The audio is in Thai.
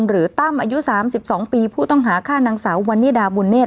หรือตั้มอายุสามสิบสองปีผู้ต้องหาค่านางสาววันนี่ดาบุญเนศ